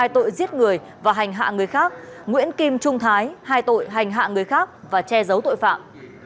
hai tội giết người và hành hạ người khác nguyễn kim trung thái hai tội hành hạ người khác và che giấu tội phạm